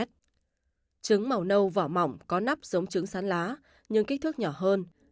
trứng màu nâu vỏ mỏng có nắp giống trứng sắn lá nhưng kích thước nhỏ hơn